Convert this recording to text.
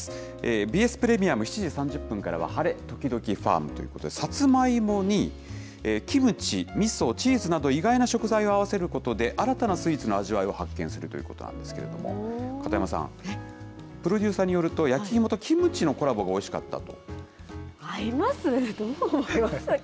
ＢＳプレミアム、７時３０分からは晴れ、ときどきファーム！ということで、さつまいもにキムチ、みそ、チーズなど、意外な食材を合わせることで、新たなスイーツの味わいを発見するということなんですけれども、片山さん、プロデューサーによると、焼き芋とキムチのコラボがおいしかったと。